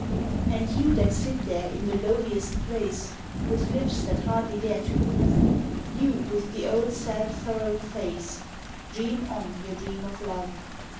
And you that sit there in the lowliest place, With lips that hardly dare to move, You with the old sad furrowed face Dream on your dream of love!